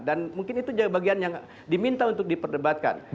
dan mungkin itu juga bagian yang diminta untuk diperdebatkan